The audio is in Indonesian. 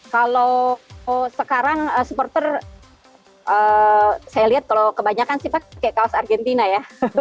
kalau sekarang supporter saya lihat kalau kebanyakan sih pak kayak kaos argentina ya